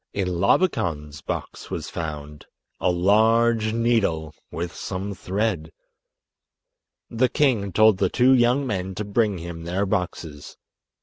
In Labakan's box was found—a large needle with some thread! The king told the two young men to bring him their boxes.